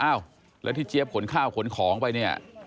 อ้าวแล้วที่เจี๊ยบขนข้าวขนของไปเนี่ย